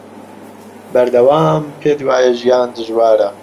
بەردەوام پێت وایە ژیان دژوارە